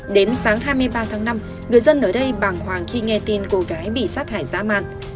đến sáng hai mươi ba tháng năm người dân ở đây bàng hoàng khi nghe tin cô gái bị sát hại dã man